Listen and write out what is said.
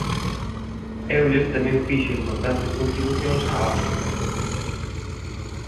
Euler tamén fixo importantes contribucións á óptica.